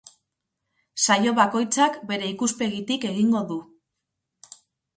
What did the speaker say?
Saio bakoitzak bere ikuspegitik egingo du.